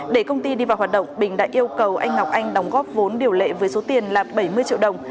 để công ty đi vào hoạt động bình đã yêu cầu anh ngọc anh đóng góp vốn điều lệ với số tiền là bảy mươi triệu đồng